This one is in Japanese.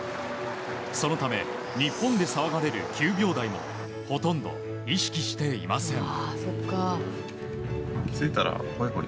そのため日本で騒がれる９秒台もほとんど意識していません。